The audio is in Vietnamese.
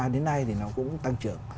đến nay thì nó cũng tăng trưởng